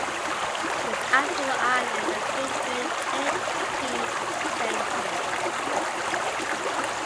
He was active on the island of Crete during the eighteenth century.